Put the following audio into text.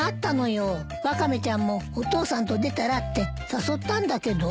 ワカメちゃんもお父さんと出たらって誘ったんだけど。